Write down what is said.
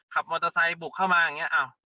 ขับมอเตอร์ไซค์บุกเข้ามาอย่างนี้